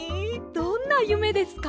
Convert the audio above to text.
どんなゆめですか？